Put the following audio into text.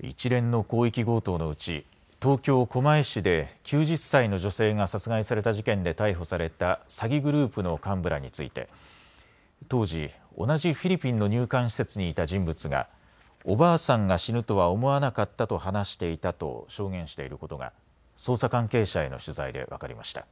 一連の広域強盗のうち東京狛江市で９０歳の女性が殺害された事件で逮捕された詐欺グループの幹部らについて当時、同じフィリピンの入管施設にいた人物がおばあさんが死ぬとは思わなかったと話していたと証言していることが捜査関係者への取材で分かりました。